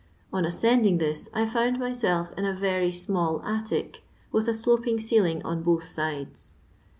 On ascending this I found myself in a very small attic, with a sloping ceiling on both sides.